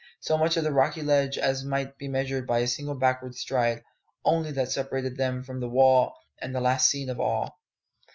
So much of the rocky ledge as might be measured by a single backward stride only that separated them from the wall and the last scene of all.